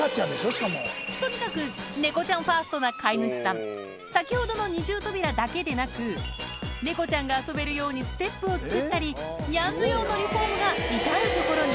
飼い主さん先ほどの二重扉だけでなく猫ちゃんが遊べるようにステップを作ったりニャンズ用のリフォームが至る所に